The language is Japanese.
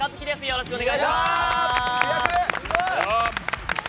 よろしくお願いします。